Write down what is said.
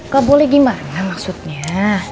gak boleh gimana maksudnya